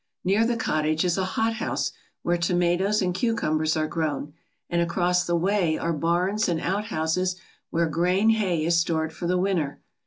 Near the cottage is a hothouse where tomatoes and cucumbers are grown, and across the way are barns and outhouses where grain hay is stored for the winter.